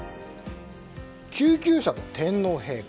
救急車と天皇陛下。